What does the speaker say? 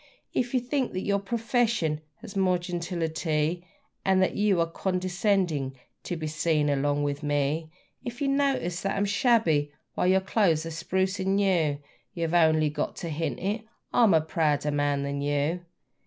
If you think that your profession has the more gentility, And that you are condescending to be seen along with me; If you notice that I'm shabby while your clothes are spruce and new You have only got to hint it: I'm a prouder man than you!